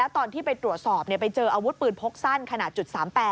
ตอนที่ไปตรวจสอบไปเจออาวุธปืนพกสั้นขนาด๓๘